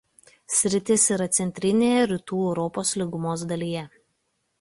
Sritis yra centrinėje Rytų Europos lygumos dalyje.